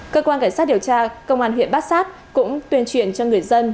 cơ quan cảnh sát điều tra công an huyện bát sát cũng tuyên truyền cho người dân